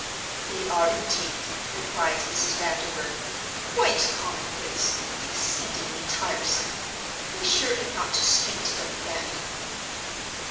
"They are, indeed," replied Mrs. Vanderburgh, "quite commonplace, and exceedingly tiresome; be sure and not speak to them, Fanny."